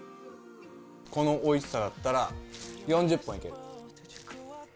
このおいしさだったら４０本いける。